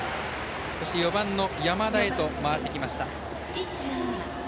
そして、４番の山田へと回ってきました。